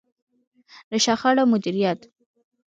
د شخړو مديريت.